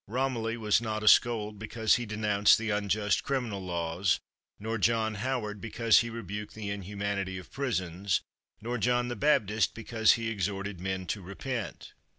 Romilly was not a scold because he denounced the unjust criminal laws, nor John Howard because he rebuked the inhumanity of prisons, nor John the Baptist because he exhorted men to repent.